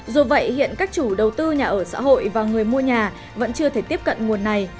dù vậy hiện các chủ đầu tư nhà ở xã hội và người mua nhà vẫn chưa thể tiếp cận nguồn này